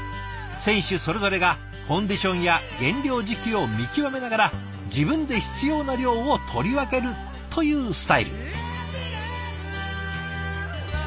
選手それぞれがコンディションや減量時期を見極めながら自分で必要な量を取り分けるというスタイル。